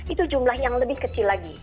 itu jumlah yang lebih kecil lagi